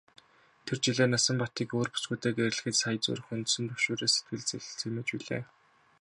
Тэр жилээ Насанбатыг өөр бүсгүйтэй гэрлэхэд л сая зүрх хөндсөн түгшүүрээс сэтгэл цэлмэж билээ.